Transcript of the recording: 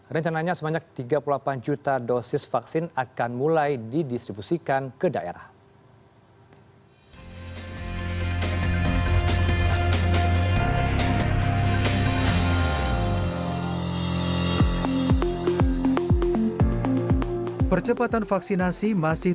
rencananya sebanyak tiga puluh delapan juta dosis vaksin akan mulai didistribusikan ke daerah